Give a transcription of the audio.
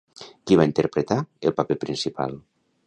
Qui va interpretar el paper principal?